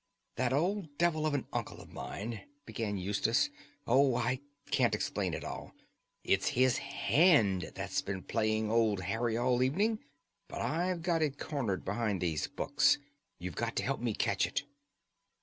"That old devil of an uncle of mine," began Eustace—"oh, I can't explain it all. It's his hand that's been playing old Harry all the evening. But I've got it cornered behind these books. You've got to help me catch it."